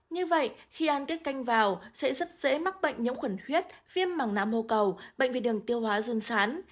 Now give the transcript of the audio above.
như vậy khi ăn tiết canh vào sẽ rất dễ mắc bệnh nhiễm khuẩn huyết viêm mảng nạ mô cầu bệnh về đường tiêu hóa run sán